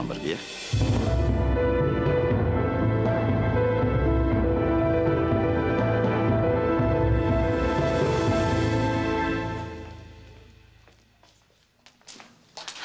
sampai jumpa di video selanjutnya